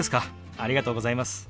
ありがとうございます。